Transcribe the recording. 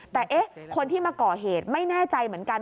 แต่คนที่มาก่อเหตุไม่แน่ใจเหมือนกัน